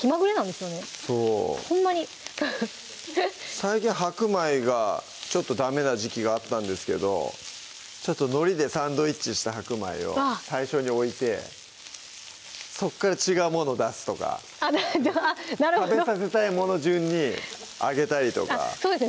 最近白米がちょっとダメな時期があったんですけどのりでサンドイッチした白米を最初に置いてそこから違うもの出すとか食べさせたいもの順にあげたりとかそうですね